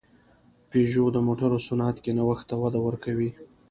پيژو د موټرو صنعت کې نوښت ته وده ورکوي.